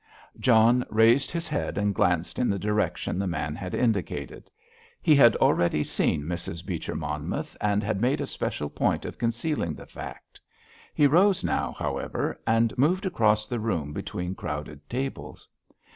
John raised his head and glanced in the direction the man had indicated. He had already seen Mrs. Beecher Monmouth, and had made a special point of concealing the fact. He rose now, however, and moved across the room between crowded tables.